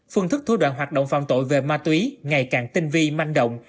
phương thức thua đoạn hoạt động phạm tội về ma túy ngày càng tinh vi manh động